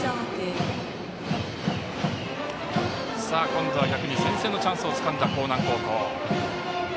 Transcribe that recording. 今度は逆に先制のチャンスをつかんだ興南高校。